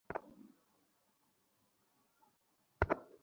আমি কি তোমাকে বলে দেব অনন্ত জীবনপ্রদ বৃক্ষের কথা এবং অক্ষয় রাজ্যের কথা?